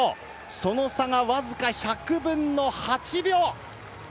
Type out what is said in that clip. その差が僅か１００分の８秒！